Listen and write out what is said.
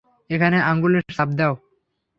এখানে আঙ্গুলের ছাপ দাও।